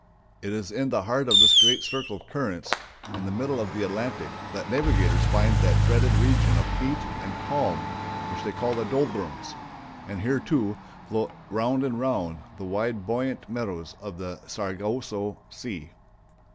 It is in the heart of this great circle of currents in the middle of the Atlantic that navigators find that dreaded region of heat and calms which they call the Doldrums; and here, too, float round and round the wide, buoyant meadows of the Sargasso Sea.